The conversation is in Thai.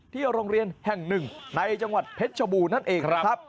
ที่โรงเรียนแห่ง๑ในจังหวัดเผชฑูนั่นเองนะครับ